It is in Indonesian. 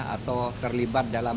atau terlibat dalam